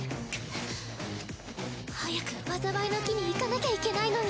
早く災いの樹に行かなきゃいけないのに。